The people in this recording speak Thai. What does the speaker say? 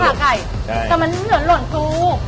แต่มันเหมือนหล่นฟู